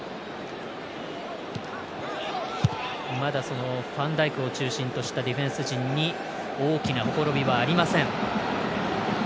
まだファンダイクを中心としたディフェンス陣に大きなほころびはありません。